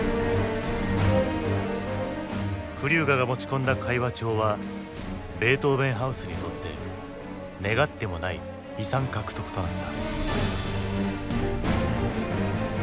クリューガが持ち込んだ会話帳はベートーヴェン・ハウスにとって願ってもない遺産獲得となった。